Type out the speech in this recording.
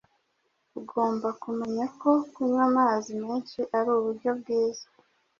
ugomba kumenya ko kunywa amazi menshi ari uburyo bwiza